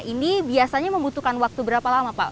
ini biasanya membutuhkan waktu berapa lama pak